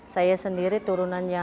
saya sendiri turunanya